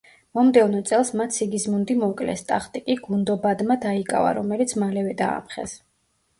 მომდევნო წელს მათ სიგიზმუნდი მოკლეს, ტახტი კი გუნდობადმა დაიკავა, რომელიც მალევე დაამხეს.